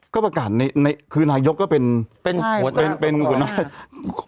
ก็ประกาศในคืณายกก็เป็นหัวหน้า